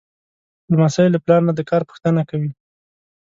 لمسی له پلار نه د کار پوښتنه کوي.